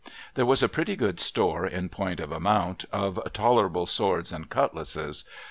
There was a pretty good store, in point of amount, of tolerable swords and cutlasses.